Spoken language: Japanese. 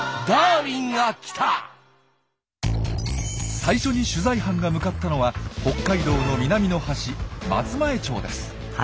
最初に取材班が向かったのは北海道の南の端松前町です。